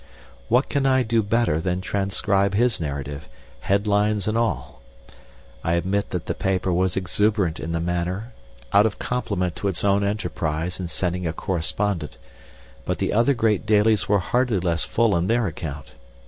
What can I do better than transcribe his narrative head lines and all? I admit that the paper was exuberant in the matter, out of compliment to its own enterprise in sending a correspondent, but the other great dailies were hardly less full in their account.